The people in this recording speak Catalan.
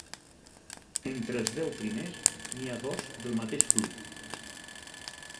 Entre els deu primers n'hi ha dos del mateix club.